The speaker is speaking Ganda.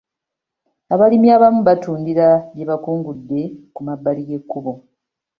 Abalimi abamu batundira bye bakungudde ku mabbali g'ekkubo.